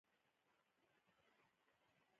فرښتې دې مقیدې پر خدمت شوې په پښتو ژبه.